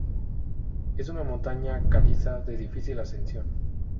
Es una montaña caliza de difícil ascensión.